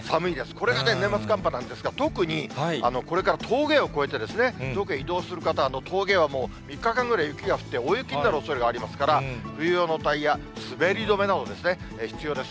これがね、年末寒波なんですが、特にこれから峠を越えてですね、遠くへ移動する方、峠はもう３日間ぐらい雪が降って大雪になるおそれがありますから、冬用のタイヤ、滑り止めなどですね、必要です。